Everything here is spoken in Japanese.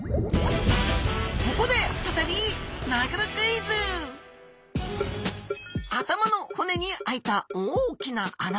ここで再び頭の骨にあいた大きな穴。